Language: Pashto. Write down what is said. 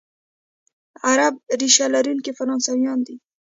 عرب ریشه لرونکي فرانسویان دي،